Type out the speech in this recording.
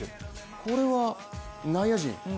これは内野陣？